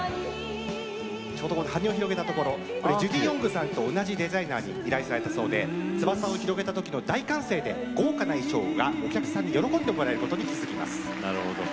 この羽が広がりましたがジュディ・オングさんと同じデザイナーに依頼されたそうで翼を広げた時の大歓声で豪華な衣装が、お客さんに喜んでもらえることに気付きます。